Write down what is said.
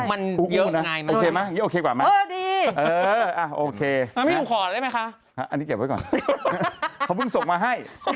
อันนี้เก็บไว้ก่อนเขาเพิ่งส่งมาให้